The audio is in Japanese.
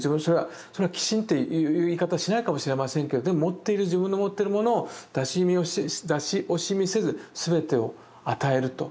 それは寄進っていう言い方をしないかもしれませんけどでも持っている自分の持っているものを出し惜しみせず全てを与えると。